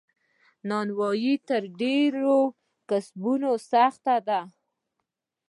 نانوایې تر ډیرو کسبونو سخته ده.